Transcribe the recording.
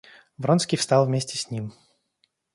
Вронский встал вместе с ним.